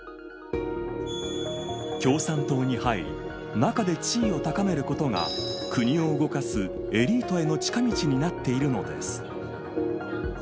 共産党に入り、中で地位を高めることが、国を動かすエリートへの近道になっているのです。